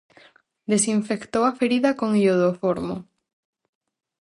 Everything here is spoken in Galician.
Desinfectou a ferida con iodoformo.